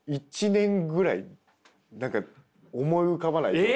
１年ぐらい何か思い浮かばない状態で。